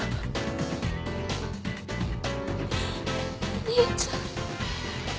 お兄ちゃん。